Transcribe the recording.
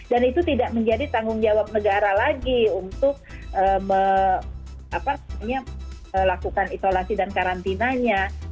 dan itu tidak menjadi tanggung jawab negara lagi untuk melakukan isolasi dan karantinanya